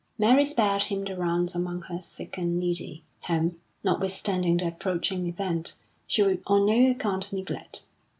Mary spared him the rounds among her sick and needy, whom, notwithstanding the approaching event, she would on no account neglect.